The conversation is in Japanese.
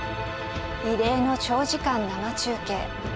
異例の長時間生中継。